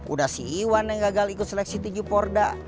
udah si iwan yang gagal ikut seleksi tinju porda